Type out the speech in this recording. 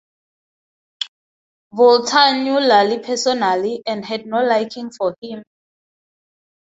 Voltaire knew Lally personally, and had no liking for him.